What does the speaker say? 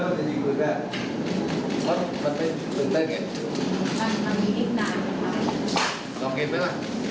ไม่ต้องกิน